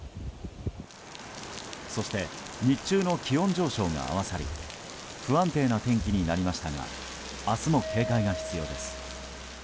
そして日中の気温上昇が合わさり不安定な天気になりましたが明日も警戒が必要です。